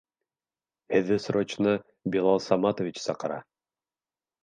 Һеҙҙе срочно Билал Саматович саҡыра.